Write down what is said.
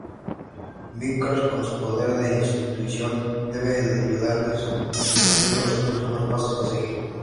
Vickers, con su poder de intuición, debe ayudarles deduciendo los próximos pasos a seguir.